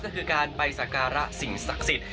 ก็คือการไปสักการะสิ่งศักดิ์สิทธิ์